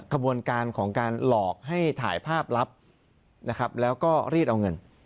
ขบวนการของการหลอกให้ถ่ายภาพลับนะครับแล้วก็รีดเอาเงิน